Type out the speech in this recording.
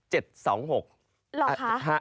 หรอกคะ